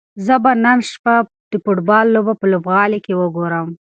زه به نن شپه د فوټبال لوبه په لوبغالي کې وګورم.